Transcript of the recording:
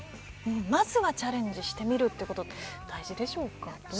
まずはチャレンジしてみるということ大事でしょうか。